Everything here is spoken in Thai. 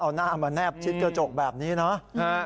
เอาหน้ามาแนบชิดกระจกแบบนี้เนาะ